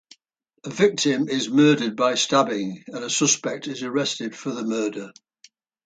A victim is murdered by stabbing and a suspect is arrested for the murder.